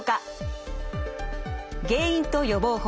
原因と予防法